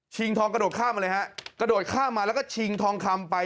ทองกระโดดข้ามมาเลยฮะกระโดดข้ามมาแล้วก็ชิงทองคำไป